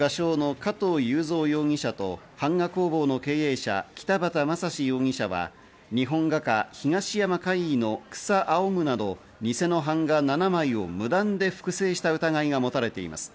元画商の加藤雄三容疑者と版画工房の経営者、北畑雅史容疑者は日本画家・東山魁夷の『草青む』など、偽の版画７枚を無断で複製した疑いが持たれています。